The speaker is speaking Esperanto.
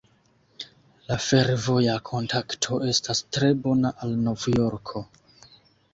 La fervoja kontakto estas tre bona al Nov-Jorko.